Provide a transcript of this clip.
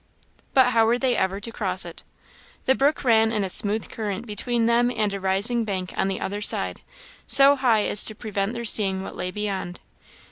But how were they ever to cross it? The brook ran in a smooth current between them and a rising bank on the other side, so high as to prevent their seeing what lay beyond.